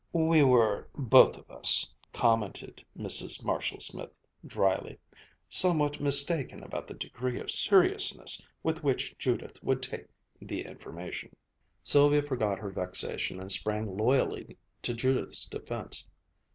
"We were both of us," commented Mrs. Marshall Smith dryly, "somewhat mistaken about the degree of seriousness with which Judith would take the information." Sylvia forgot her vexation and sprang loyally to Judith's defense.